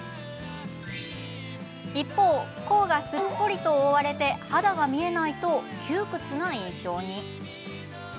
一方、甲がすっぽりと覆われて肌が見えないと窮屈な印象に。